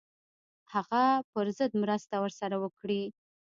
هغه پر ضد مرسته ورسره وکړي.